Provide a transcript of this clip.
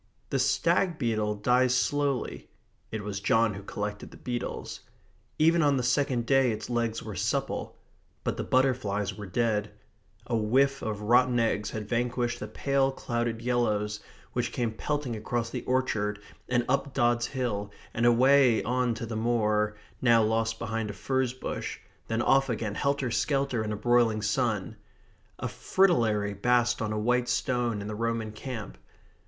The stag beetle dies slowly (it was John who collected the beetles). Even on the second day its legs were supple. But the butterflies were dead. A whiff of rotten eggs had vanquished the pale clouded yellows which came pelting across the orchard and up Dods Hill and away on to the moor, now lost behind a furze bush, then off again helter skelter in a broiling sun. A fritillary basked on a white stone in the Roman camp.